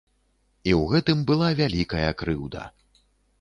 І ў гэтым была вялікая крыўда.